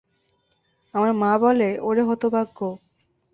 আমার মা বলে " ওরে হতভাগা।